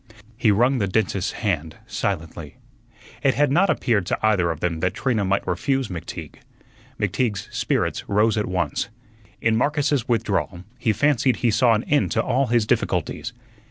He wrung the dentist's hand silently. It had not appeared to either of them that Trina might refuse McTeague. McTeague's spirits rose at once. In Marcus's withdrawal he fancied he saw an end to all his difficulties.